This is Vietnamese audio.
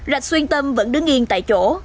rạch xuyên tâm vẫn đứng yên tại chỗ